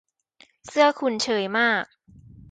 เสื้อคุณเชยมาก